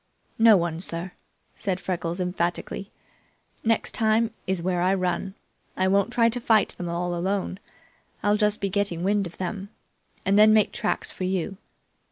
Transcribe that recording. "No one, sir," said Freckles emphatically. "Next time is where I run. I won't try to fight them alone. I'll just be getting wind of them, and then make tracks for you.